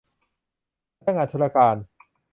พนักงานธุรการ